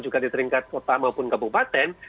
juga di tingkat kota maupun kabupaten